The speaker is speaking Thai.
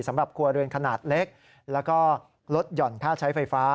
สำหรับครัวเรือนขนาดเล็กแล้วก็ลดหย่อนค่าใช้ไฟฟ้า